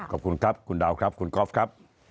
ขอบคุณครับคุณดาวครับคุณก๊อฟครับ